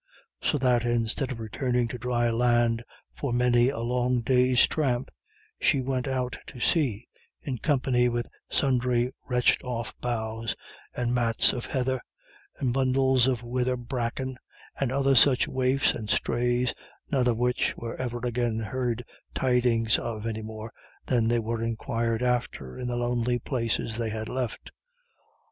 So that instead of returning to dry land for many a long day's tramp, she went out to sea in company with sundry wrenched off boughs, and mats of heather, and bundles of withered bracken, and other such waifs and strays, none of which were ever again heard tidings of any more than they were inquired after in the lonely places they had left.